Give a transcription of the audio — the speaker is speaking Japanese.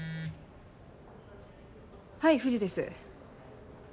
はい藤です。